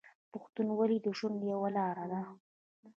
پښتونولي د ژوند یوه لار ده.